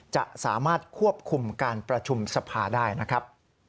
จะสามารถควบคุมการประชุมสภาได้นะครับ